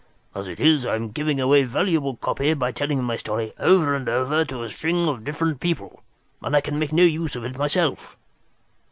As it is, I am giving away valuable copy by telling my story over and over to a string of different people, and I can make no use of it myself.